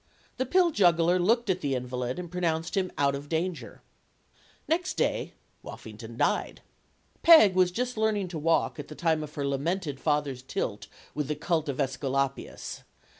The pill juggler looked at the invalid and pronounced him out of danger. Next day Woffington died. Peg was just learning to walk at the time of her lamented father's tilt with the cult of /Esculapius.